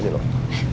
masih gila loh